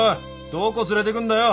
どこ連れてくんだよ！